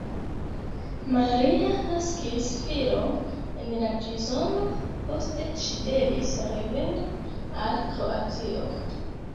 Maria naskis filon en la prizono, poste ŝi devis reveni al Kroatio.